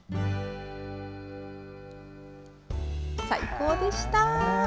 最高でした。